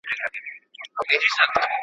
زه غواړم لږ وخت ویده شم.